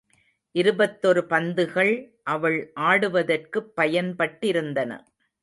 இருபத்தொரு பந்துகள் அவள் ஆடுவதற்குப் பயன்பட்டிருந்தன.